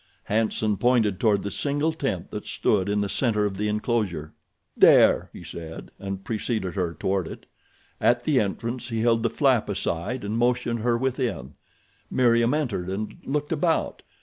Hanson pointed toward the single tent that stood in the center of the enclosure. "There," he said, and preceded her toward it. At the entrance he held the flap aside and motioned her within. Meriem entered and looked about.